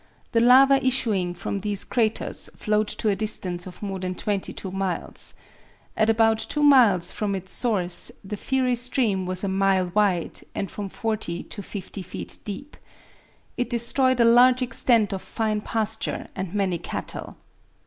The lava issuing from these craters flowed to a distance of more than twenty two miles. At about two miles from its source the fiery stream was a mile wide, and from 40 to 50 feet deep. It destroyed a large extent of fine pasture and many cattle.